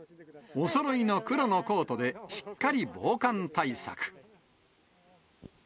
おそろいの黒のコートでしっかり防寒対策。